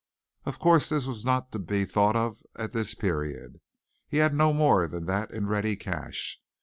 Of course this was not to be thought of at this period. He had no more than that in ready cash.